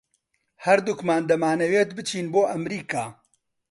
ھەردووکمان دەمانەوێت بچین بۆ ئەمریکا.